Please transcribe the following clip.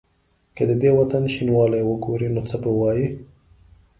که د دې وطن شینوالی وګوري نو څه به وايي؟